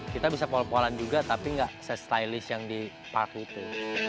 kita bisa pol polan juga tapi nggak se stylist yang di park itu